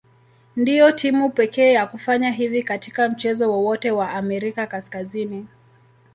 Ndio timu pekee ya kufanya hivi katika mchezo wowote wa Amerika Kaskazini.